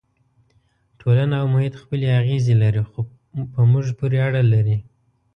ټولنه او محیط خپلې اغېزې لري خو په موږ پورې اړه لري.